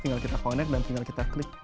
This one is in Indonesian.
tinggal kita connect dan tinggal kita klik